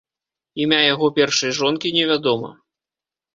Імя яго першай жонкі невядома.